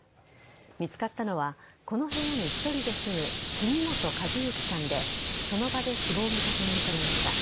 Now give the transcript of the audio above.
見つかったのはこの部屋に１人で住む杉本和幸さんでその場で死亡が確認されました。